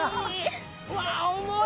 うわ重い！